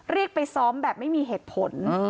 เรียกไปซ้อมแบบไม่มีเหตุผล